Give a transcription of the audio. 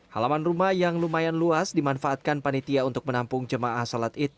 halaman rumah yang lumayan luas dimanfaatkan panitia untuk menampung jemaah salat id